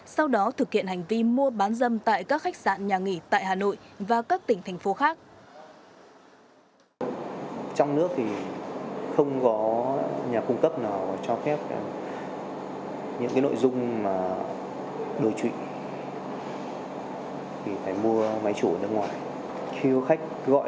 sau đó thực hiện hành vi mua bán dâm tại các khách sạn nhà nghỉ tại hà nội và các tỉnh thành phố khác